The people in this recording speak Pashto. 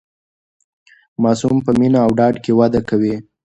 ماسوم په مینه او ډاډ کې وده کوي.